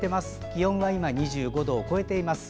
気温は２５度を超えています。